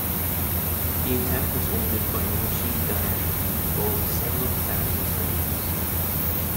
The attack was ordered by Moshe Dayan and involved several thousand soldiers.